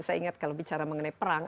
saya ingat kalau bicara mengenai perang